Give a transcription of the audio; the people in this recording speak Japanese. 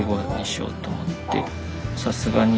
さすがに